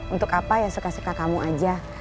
untuk apa ya suka suka kamu aja